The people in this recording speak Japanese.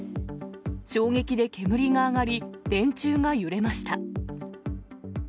衝撃で煙が上がり、電柱が揺れました。